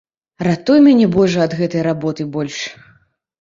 Ратуй мяне божа ад гэтай работы больш.